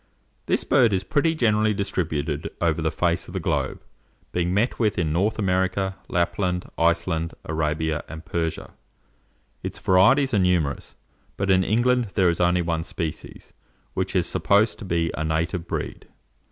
This bird is pretty generally distributed over the face of the globe, being met with in North America, Lapland, Iceland, Arabia, and Persia. Its varieties are numerous; but in England there is only one species, which is supposed to be a native breed.